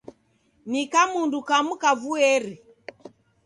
Ni kamundu kamu kavueri!